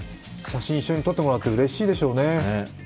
写真一緒に撮ってもらって、うれしいでしょうね。